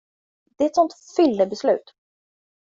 Det är ett sånt fyllebeslut.